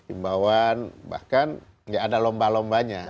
imbawan bahkan ya ada lomba lombanya